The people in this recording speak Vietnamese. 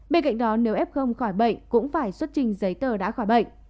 bên cạnh đó nếu ép không khỏi bệnh cũng phải xuất trình giấy tờ đã khỏi bệnh